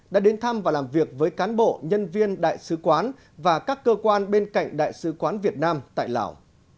đã đến thăm và làm việc với cán bộ nhân viên đại sứ quán và các cơ quan bên cạnh đại sứ quán việt nam tại lào